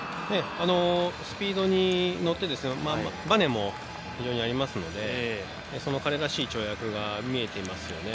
スピードに乗ってバネも非常にありますので彼らしい跳躍が見えていますよね。